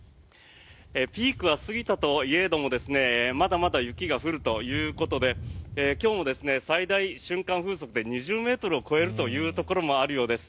ピークは過ぎたといえどもまだまだ雪が降るということで今日も最大瞬間風速で２０ｍを超えるというところもあるようです。